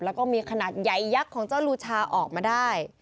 แล้วก็มีขนาดใหญ่ยักษ์ของเจ้าลูชาออกมาได้